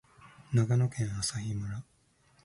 長野県朝日村